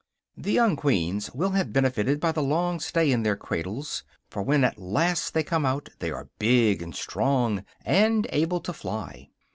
The young queens will have benefited by the long stay in their cradles, for when at last they come out they are big and strong, and able to fly.